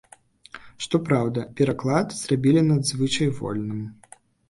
Што праўда, пераклад зрабілі надзвычай вольным.